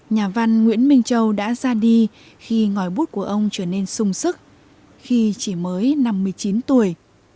nhà văn nguyễn minh châu đã ra đi khi ngòi bút của ông trở nên sung sức khi chỉ mới năm mươi chín tuổi